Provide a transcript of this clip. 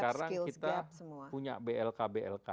sekarang kita punya blk blk